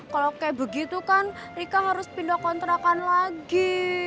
kalau kayak begitu kan rika harus pindah kontrakan lagi